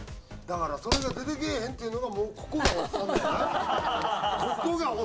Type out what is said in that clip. だからそれが出てけえへんっていうのがもうここがおっさん。